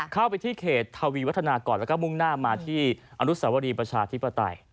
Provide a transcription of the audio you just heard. เข้าไปที่เขตทวีวัฒนาก่อนแล้วก็มุ่งหน้ามาที่อนุสวรีประชาธิปไตย